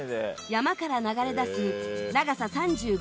山から流れ出す長さ３５キロ